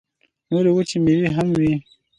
نورې وچې مېوې هم وې.